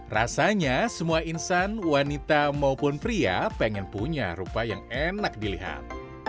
rasanya semua insan wanita maupun pria pengen punya rupa yang enak dilihat